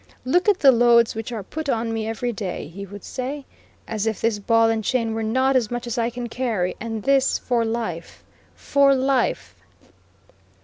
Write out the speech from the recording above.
"Look at the loads which are put on me every day," he would say; as if this ball and chain were not as much as I can carry; and this for life, for life!